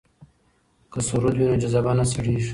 که سرود وي نو جذبه نه سړیږي.